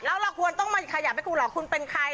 แล้วเราควรต้องมาขยับให้คุณหรอกคุณเป็นใคร